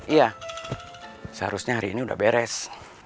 iya seharusnya hari ini sudah beres